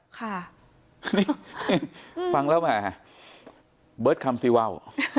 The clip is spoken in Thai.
ค่ะฟังแล้วไงเบิร์ดคำซีว่าว